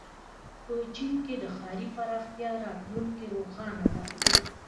په چین کې د ښاري پراختیا راتلونکې روښانه ده.